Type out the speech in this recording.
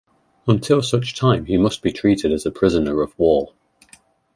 Until such time, he must be treated as a prisoner of war.